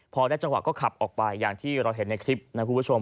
พอได้จังหวะก็ขับออกไปอย่างที่เราเห็นในคลิปนะคุณผู้ชม